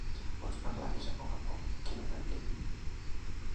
Pots parlar més a més a poc, que no t'entenc?